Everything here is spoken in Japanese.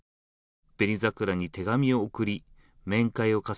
紅桜に手紙を送り面会を重ね